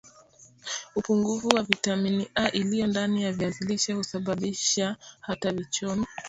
upungufu wa vitamini A iliyo ndani ya viazi lishe husababisha hata vichomi